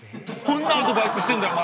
どんなアドバイスしてんだよ